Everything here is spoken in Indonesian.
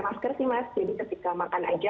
masker sih mas jadi ketika makan aja